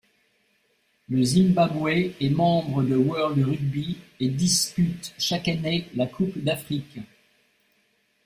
Le Zimbabwe est membre de World Rugby et dispute chaque année la Coupe d'Afrique.